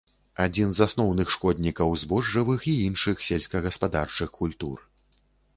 Адзін з асноўных шкоднікаў збожжавых і іншых сельскагаспадарчых культур.